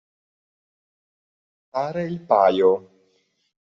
Fare il paio.